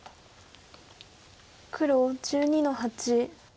黒１２の八。